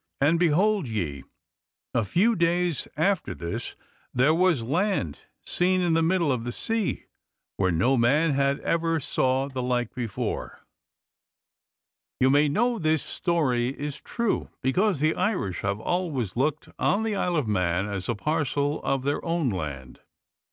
And behold ye, a few days after this there was land seen in the middle of the sea, where no man ever saw the like before. You may know that this story is true because the Irish have always looked on the Isle of Mann as a parcel of their own land.